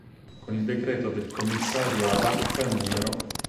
Con il decreto del commissario ad acta n.